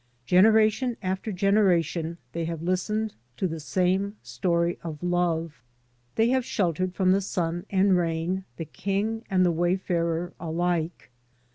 Generation after generation they have listened to the same story of love. They have sheltered from the sun and rain, the king and the wayfarer alike.